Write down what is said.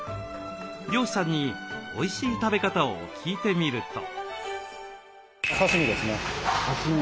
漁師さんにおいしい食べ方を聞いてみると。